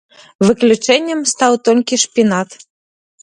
Выключэннем стаў толькі шпінат.